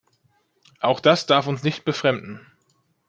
Auch das darf uns nicht befremden.